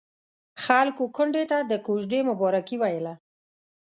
خلکو کونډې ته د کوژدې مبارکي ويله.